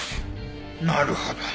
なるほど。